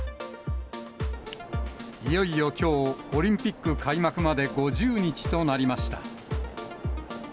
いよいよきょう、オリンピック開幕まで５０日となりました。